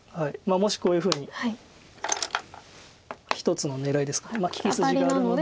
もしこういうふうに一つの狙いですから利き筋があるので。